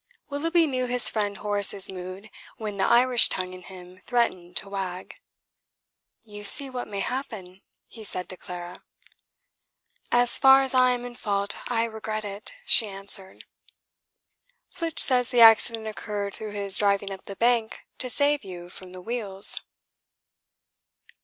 Willoughby knew his friend Horace's mood when the Irish tongue in him threatened to wag. "You see what may happen," he said to Clara. "As far as I am in fault I regret it," she answered. "Flitch says the accident occurred through his driving up the bank to save you from the wheels."